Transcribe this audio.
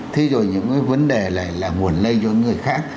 thế rồi những cái vấn đề là nguồn lây cho người khác